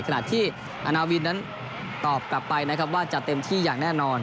ขณะที่อาณาวินนั้นตอบกลับไปนะครับว่าจะเต็มที่อย่างแน่นอน